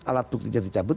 alat bukti jadi cabut